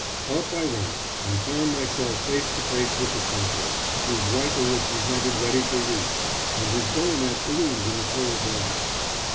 Up I went, and found myself face to face with the sentry, whose rifle was presented ready for use, and whose bayonet gleamed in the cold light.